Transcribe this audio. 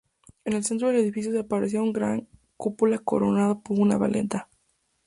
En el centro del edificio se aprecia una gran cúpula coronada por una veleta.